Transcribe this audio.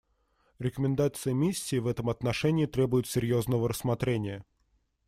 Рекомендации миссии в этом отношении требуют серьезного рассмотрения.